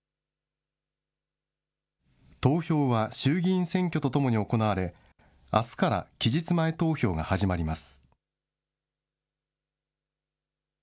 投票は衆議院選挙とともに行われ、あすから期日前投票が始まります。